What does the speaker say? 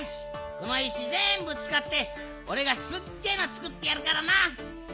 この石ぜんぶつかっておれがすっげえのつくってやるからな。